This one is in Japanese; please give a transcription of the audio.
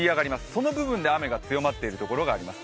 その部分で雨が強まっている部分があります。